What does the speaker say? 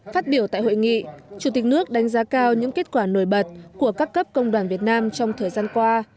phát biểu tại hội nghị chủ tịch nước đánh giá cao những kết quả nổi bật của các cấp công đoàn việt nam trong thời gian qua